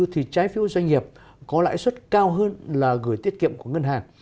thì trái phiếu doanh nghiệp có lãi suất cao hơn là gửi tiết kiệm của ngân hàng